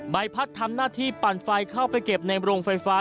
ใบพัดทำหน้าที่ปั่นไฟเข้าไปเก็บในโรงไฟฟ้า